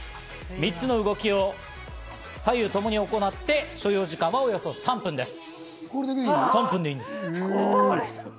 ３つの動きを左右ともに行って、所要時間はおよそ３分です。